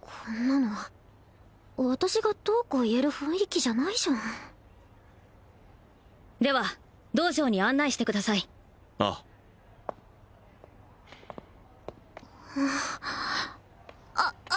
こんなの私がどうこう言える雰囲気じゃないじゃんでは道場に案内してくださいあああ歩！